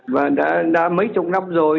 và đã mấy chục năm rồi